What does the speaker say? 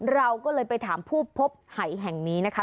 เราก็เลยไปถามผู้พบหายแห่งนี้นะคะ